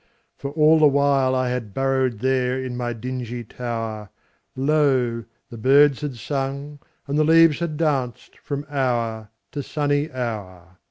For all the while I had burrowedThere in my dingy tower, Lo! the birds had sung and the leaves had dancedFrom hour to sunny hour.